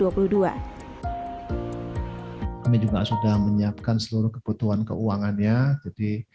kami juga sudah menyiapkan seluruh kebutuhan keuangannya